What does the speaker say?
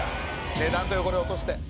値段と汚れ落として。